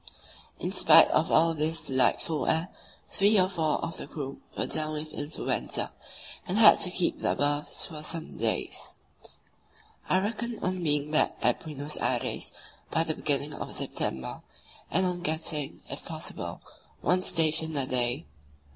In spite of all this delightful air, three or four of the crew were down with influenza, and had to keep their berths for some days. I reckoned on being back at Buenos Aires by the beginning of September, and on getting, if possible, one station a day.